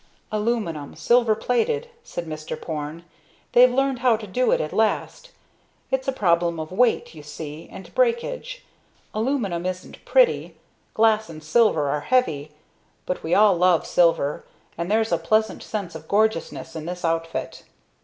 "Aluminum, silver plated," said Mr. Porne. "They've learned how to do it at last. It's a problem of weight, you see, and breakage. Aluminum isn't pretty, glass and silver are heavy, but we all love silver, and there's a pleasant sense of gorgeousness in this outfit."